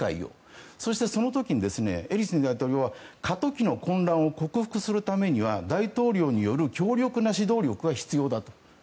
そして、その時にエリツィン大統領は過渡期の混乱を克服するためには大統領による強力な指導力が必要だと。